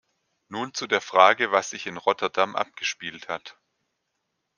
Nun zu der Frage, was sich in Rotterdam abgespielt hat.